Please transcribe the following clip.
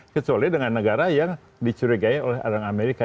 kecuali dengan negara yang dicurigai oleh orang amerika